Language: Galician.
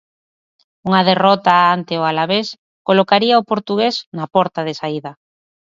Unha derrota ante o Alavés colocaría o portugués na porta de saída.